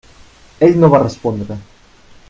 Ell no va respondre.